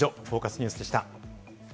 ニュースでした。